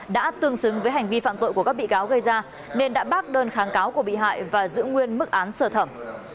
đã tương xứng với hành vi phạm tội của các bị cáo gây ra nên đã bác đơn kháng cáo của bị hại và giữ nguyên mức án sơ thẩm